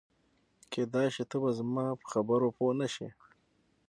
کېدای شي ته به زما په خبرو پوه نه شې.